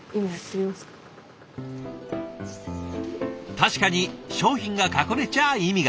確かに商品が隠れちゃ意味がない。